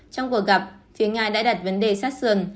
trong cuộc gặp phía nga đã đặt vấn đề sát sườn